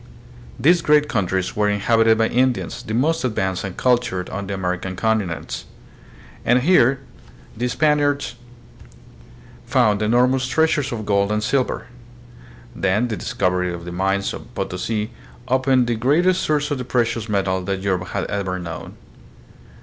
These great countries were in habited by Indians, the most advanced and cultured on the American continents. And here the Spaniards found enormous treasures of gold and silver. Then, the dis covery of the mines of Potosi opened the greatest source of the precious metal that Europe had ever known.